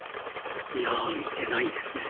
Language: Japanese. いや見てないですね。